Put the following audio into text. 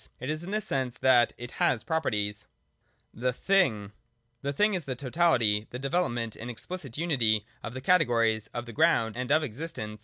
It is in this sense that it has properties. {c) The Thing. 125.] (a) The Thing is the totality— the development in explicit unity— of the categories of the ground and of existence.